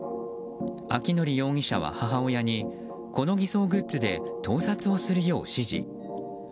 明範容疑者は母親にこの偽装グッズで盗撮をするよう指示。